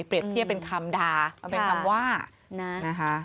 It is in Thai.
เปรียบเทียบเป็นคำดาเป็นคำว่านะคะ